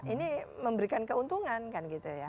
ini memberikan keuntungan kan gitu ya